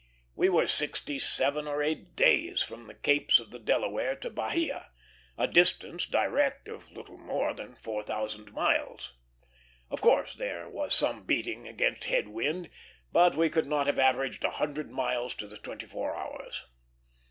We were sixty seven or eight days from the Capes of the Delaware to Bahia, a distance, direct, of little more than four thousand miles. Of course, there was some beating against head wind, but we could not have averaged a hundred miles to the twenty four hours.